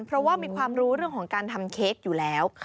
เพราะว่ามีความรู้เรื่องของการทำเค้กอยู่แล้ว